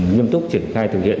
nhiêm túc triển khai thực hiện